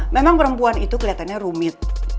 memang perempuan itu kelihatannya rumit